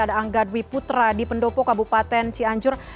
ada angga dwi putra di pendopo kabupaten cianjur